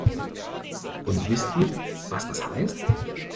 Und wisst ihr, was das heißt?